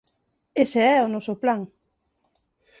Ese é o noso plan.